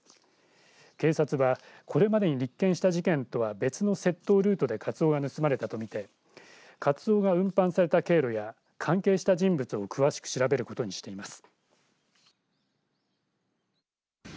警察は、これまでに立件した事件とは別の窃盗ルートでカツオが盗まれたと見てカツオが運搬された経路や関係した人物を詳しく調べることにしています。